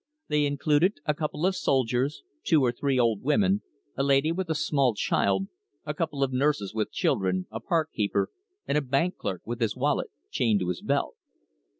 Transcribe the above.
They included a couple of soldiers, two or three old women, a lady with a small child, a couple of nurses with children, a park keeper, and a bank clerk with his wallet chained to his belt.